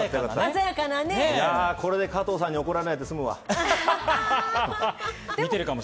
これで加藤さんに怒られないで済むわ。